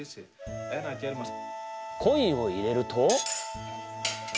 コインを入れると。